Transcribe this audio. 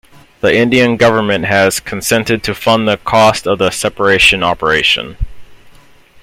The Indian government has consented to fund the cost of the separation operation.